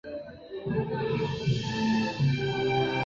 上托尔内奥市是瑞典北部北博滕省的一个自治市。